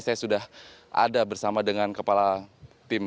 saya sudah ada bersama dengan kepala tim